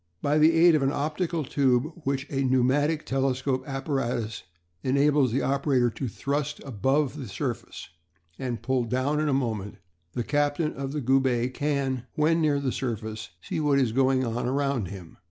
"By the aid of an optical tube, which a pneumatic telescopic apparatus enables the operator to thrust above the surface and pull down in a moment, the captain of the Goubet can, when near the surface, see what is going on all round him.